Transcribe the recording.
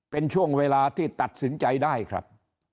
เป็นช่วงเวลาที่ตัดสินใจได้ครับ